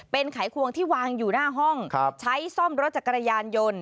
เป็นไขควงที่วางอยู่หน้าห้องใช้ซ่อมรถจักรยานยนต์